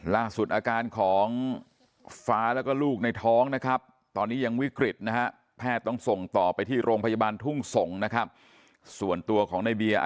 ล่าสุดอาการของฟ้าแล้วก็ลูกในท้องนะครับตอนนี้ยังวิกฤตนะฮะแพทย์ต้องส่งต่อไปที่โรงพยาบาลทุ่งส่งนะครับส่วนตัวของในเบียร์